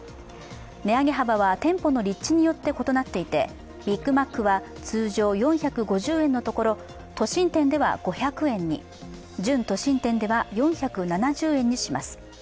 値上げ幅は店舗の立地によって異なっていてビッグマックは通常４５０円のところ都心店では５００円に、準都心店では４７０円にします。